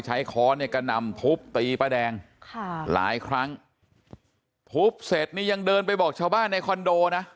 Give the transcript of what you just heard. ค้อนเนี่ยกระนำทุบตีป้าแดงค่ะหลายครั้งทุบเสร็จนี่ยังเดินไปบอกชาวบ้านในคอนโดนะ